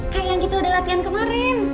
kayak yang gitu udah latihan kemarin